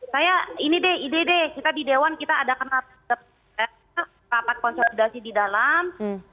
saya ini deh ide ide kita di dewan kita ada rapat konsolidasi di dalam